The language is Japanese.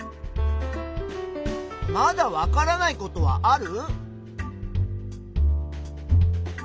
まだわからないことはある？